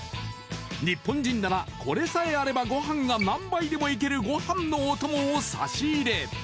日本人ならこれさえあればご飯が何杯でもいけるご飯のお供を差し入れ